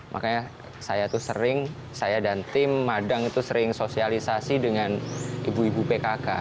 makanya saya tuh sering saya dan tim madang itu sering sosialisasi dengan ibu ibu pkk